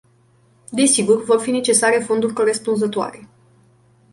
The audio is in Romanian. Desigur, vor fi necesare fonduri corespunzătoare.